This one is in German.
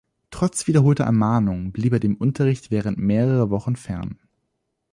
Trotz wiederholter Ermahnung blieb er dem Unterricht während mehrerer Wochen fern.